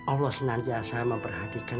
allah senantiasa memperhatikan